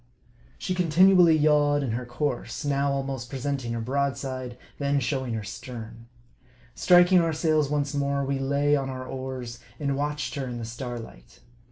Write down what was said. She continually yawed in her course ; now almost presenting her broadside, then showing 1 her stern. Striking our sails once more, we lay on our oars, and watched her in the starlight.